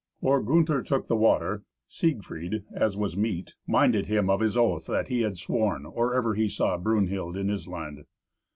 Or Gunther took the water, Siegfried, as was meet, minded him of his oath that he had sworn or ever he saw Brunhild in Issland.